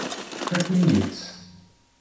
Tfakem-iyi-tt.